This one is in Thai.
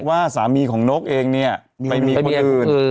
ว่าสามีของนกเองเนี่ยไปมีคนอื่น